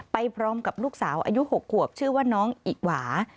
ไปพร้อมกับลูกสาวอายุ๖ขวบชื่อว่าน้องอิหวา